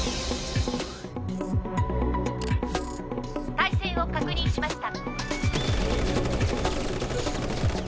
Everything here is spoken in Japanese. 「対戦を確認しました」